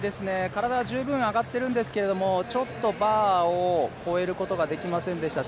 体は十分上がっているんですけど、ちょっとバーを超えることができませんでした。